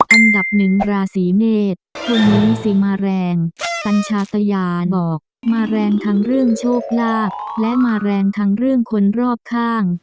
อันดับหนึ่งราศีเมษคนนี้สิมาแรงสัญชาตยาบอกมาแรงทั้งเรื่องโชคลาภและมาแรงทั้งเรื่องคนรอบข้าง